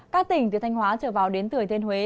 các tỉnh từ thanh hóa trở vào đến thừa thiên huế